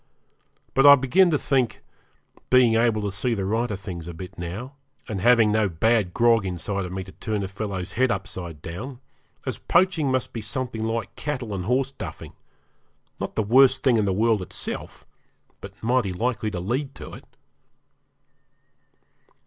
But I begin to think, being able to see the right of things a bit now, and having no bad grog inside of me to turn a fellow's head upside down, as poaching must be something like cattle and horse duffing not the worst thing in the world itself, but mighty likely to lead to it.